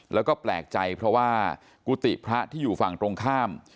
แล้วก็แปลกใจเพราะว่ากุฏิพระที่อยู่ฝั่งตรงข้าม